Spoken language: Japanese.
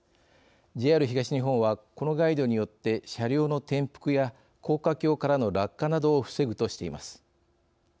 ＪＲ東日本はこのガイドによって車両の転覆や高架橋からの落下などを防ぐとしています。